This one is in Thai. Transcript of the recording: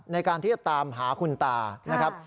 ในการที่จะตามหาคุณตานะครับ